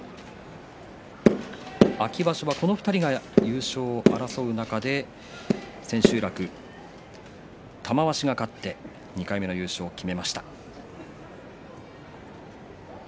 秋場所は、この２人が優勝を争う中で千秋楽、玉鷲が勝って２回目の優勝を決めました。